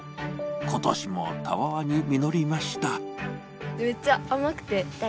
今年も、たわわに実りました。